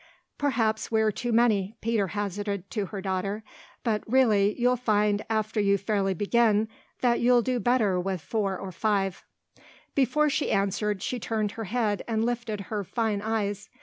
"Perhaps we're too many," Peter hazarded to her daughter. "But really you'll find, after you fairly begin, that you'll do better with four or five." Before she answered she turned her head and lifted her fine eyes.